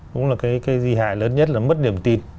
đúng là cái di hại lớn nhất là mất niềm tin